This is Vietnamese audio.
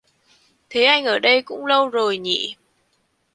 Thế anh ở đây cũng lâu rồi nhỉ